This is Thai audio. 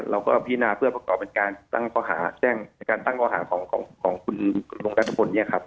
เราก็พินาเพื่อประกอบเป็นการตั้งข้อหาแจ้งในการตั้งข้อหาของคุณลุงรัฐพลเนี่ยครับ